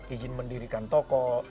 izin mendirikan toko